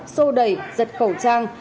xô đẩy giật khẩu trang